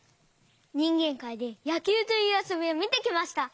にんげんかいで「やきゅう」というあそびをみてきました！